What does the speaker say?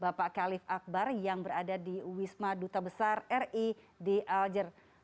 bapak khalif akbar yang berada di wisma duta besar ri di aler